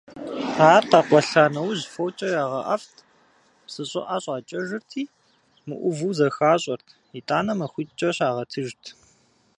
Ар къэкъуэлъа нэужь фокIэ ягъэIэфIт, псы щIыIэ щIакIэжырти, мыIуву зэхащIэрт, итIанэ махуитIкIэ щагъэтыжт.